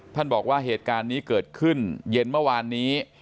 บอกว่าเหตุการณ์นี้เกิดขึ้นเย็นเมื่อวานนี้